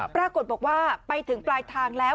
ปรากฏว่าไปถึงปลายทางแล้ว